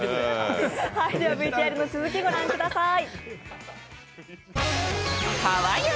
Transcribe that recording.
ＶＴＲの続き、御覧ください。